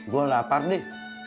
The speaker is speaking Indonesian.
gue lapar dik